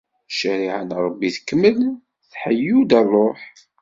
Ccariɛa n Rebbi tekmel, tḥeyyu-d ṛṛuḥ.